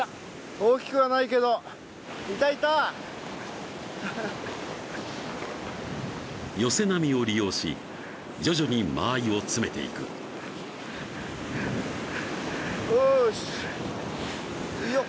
大きくはないけどいたいたハハ寄せ波を利用し徐々に間合いを詰めていくおしよっ